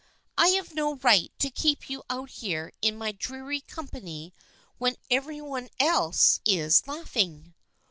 " I have no right to keep you out here in my dreary company when every one else is laughing."